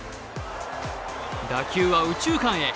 打球は右中間へ。